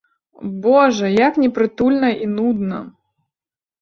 Божа, як непрытульна і нудна!